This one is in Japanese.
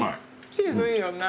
チーズいいよね。